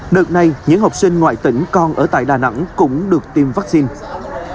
đợt này những học sinh ngoại tỉnh còn ở tại đà nẵng cũng được tiêm vaccine